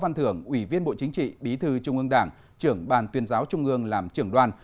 võ văn thưởng ủy viên bộ chính trị bí thư trung ương đảng trưởng ban tuyên giáo trung ương làm trưởng đoàn